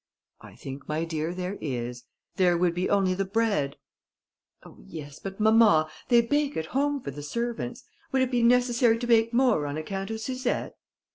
"I think, my dear, there is; there would only be the bread...." "Oh, yes; but, mamma, they bake at home for the servants; would it be necessary to bake more on account of Suzette?"